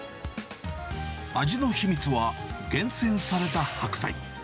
味の秘密は、厳選された白菜。